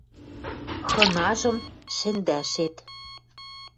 Хынажым шӹндӓшет